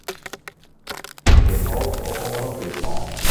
Stim ôf op Omrop Fryslân.